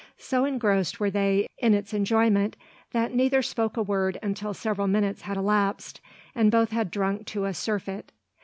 So engrossed were they in its enjoyment, that neither spoke a word until several minutes had elapsed, and both had drunk to a surfeit.